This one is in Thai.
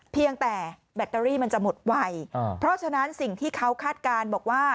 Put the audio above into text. เพียงแต่แบตเตอรี่มันจะหมดไวเพราะฉะนั้นสิ่งที่เขาคาดการณ์บอกว่า